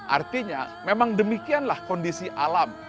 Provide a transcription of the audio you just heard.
artinya memang demikianlah kondisi alam